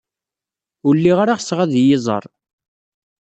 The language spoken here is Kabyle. Ur lliɣ ara ɣseɣ ad iyi-iẓer.